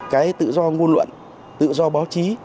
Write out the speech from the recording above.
cái tự do nguồn luận tự do báo chí